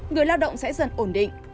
người lao động sẽ dần ổn định